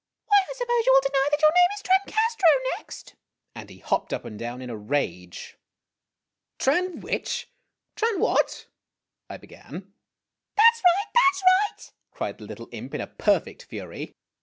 Why, I suppose you will deny that your name is Trancastro, next ?" and he hopped up and down in a rage. " Tran which ? Tran what ?" I be^an. o "That 's right, that 's right!" cried the little imp in a perfect fury.